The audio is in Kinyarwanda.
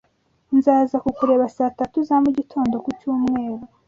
Nzaza kukureba saa tatu za mugitondo. ku cyumweru.